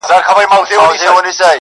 په يوه لاس کي دوې هندوانې نه نيول کېږي.